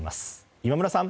今村さん。